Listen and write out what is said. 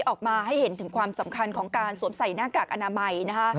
ออกมาให้เห็นถึงความสำคัญของการสวมใส่หน้ากากอนามัย